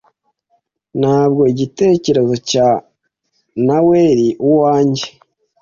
Ntabwo igitekerezo cya . Naweri uwanjye.